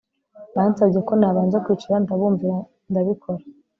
bansabye ko nabanza kwicara ndabumvira ndabikora